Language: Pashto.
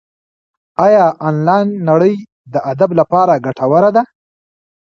ایا انلاین نړۍ د ادب لپاره ګټوره ده؟